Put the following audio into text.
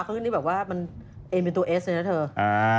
คนนี้แบบว่ามันเอ็นเป็นตัวเอสเลยนะเธอ